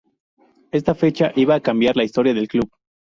Esta fecha iba a cambiar la historia del club.